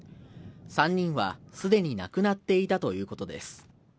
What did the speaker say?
３人はすでに亡くなっていたということです。